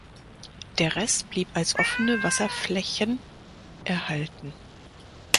Der Rest blieb als offene Wasserflächen erhalten.